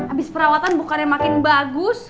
abis perawatan bukannya makin bagus